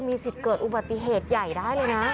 มีสิทธิ์เกิดอุบัติเหตุใหญ่ได้เลยนะ